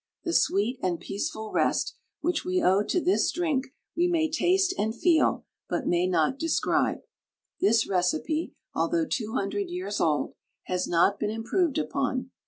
The sweet and peaceful rest which we owe to this drink we may taste and feel, but may not describe." This recipe, although two hundred years old, has not been improved upon.